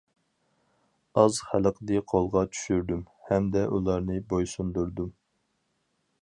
ئاز خەلقنى قولغا چۈشۈردۈم.... ھەمدە ئۇلارنى بويسۇندۇردۇم.